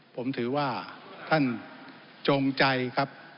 ผมถือว่าท่านจงใจครับ